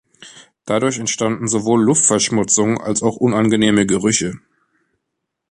Dadurch entstanden sowohl Luftverschmutzung als auch unangenehme Gerüche.